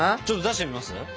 ちょっと出してみます？